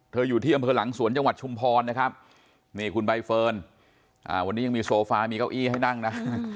อยู่ที่อำเภอหลังสวนจังหวัดชุมพรนะครับนี่คุณใบเฟิร์นวันนี้ยังมีโซฟามีเก้าอี้ให้นั่งนะ